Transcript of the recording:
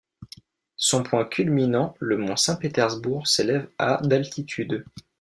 Son point culminant, le mont Saint-Pétersbourg s'élève à d'altitude.